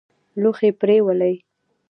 لوښي پرېولي.